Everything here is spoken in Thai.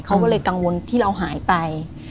เขาก็เลยกังวลที่เราหายไป